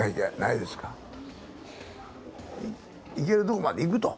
いけるとこまでいくと。